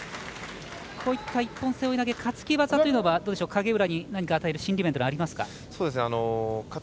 こういった一本背負い投げ担ぎ技というのは影浦に何か与える心理面とかありますか。